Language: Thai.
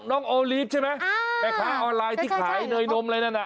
น้องโอลิปใช่ไหมแผกท้าออนไลน์ที่ขายเนยนมอะไรอย่างนั้น